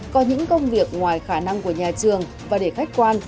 có những công việc ngoài khả năng của nhà trường và để khách quan